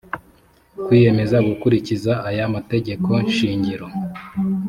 kwiyemeza gukurikiza aya mategeko shingiro